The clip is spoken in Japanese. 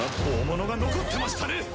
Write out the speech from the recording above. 大物が残ってましたね。